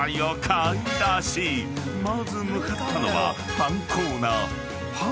［まず向かったのは］